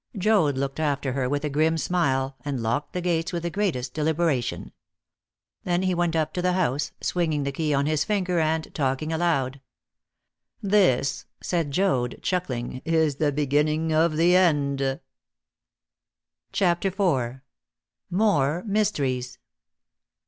Joad looked after her with a grim smile, and locked the gates with the greatest deliberation. Then he went up to the house, swinging the key on his finger and talking aloud. "This," said Joad, chuckling, "is the beginning of the end." CHAPTER IV. MORE MYSTERIES.